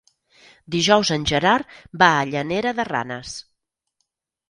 Dijous en Gerard va a Llanera de Ranes.